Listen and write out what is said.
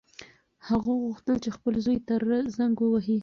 هغه غوښتل چې خپل زوی ته زنګ ووهي.